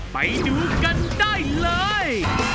ไปดูกันได้เลย